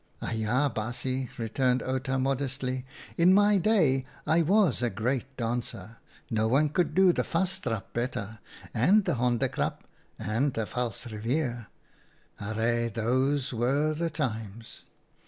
" Aja, baasje," returned Outa, modestly ;" in my day I was a great dancer. No one could do the Vastrap better — and the Honde krap — and the Valsrivier. Arre, those were the times